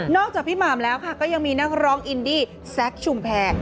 จากพี่หมามแล้วค่ะก็ยังมีนักร้องอินดี้แซคชุมแพร